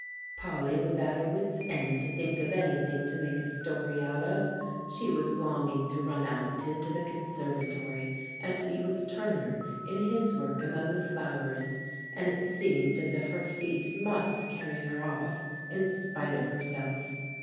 Polly was at her wits' end to think of anything to make a story out of. She was longing to run out into the conservatory and be with Turner in his work among the flowers, and it seemed as if her feet must carry her off in spite of herself.